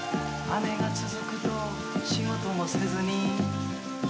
「雨がつづくと仕事もせずに」